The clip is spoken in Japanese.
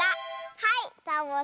はい。